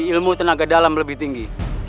ilmu tenaga dalam lebih tinggi